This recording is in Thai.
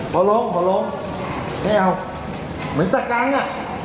ประโลกประโลกไม่เอาเหมือนสกังอ่ะ